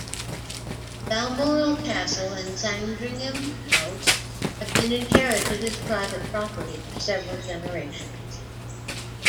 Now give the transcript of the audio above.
Balmoral Castle and Sandringham House have been inherited as private property for several generations.